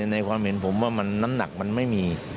ในความเห็นผมว่าน้ำหนักมันไม่มี